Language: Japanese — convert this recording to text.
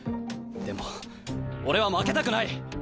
でも俺は負けたくない！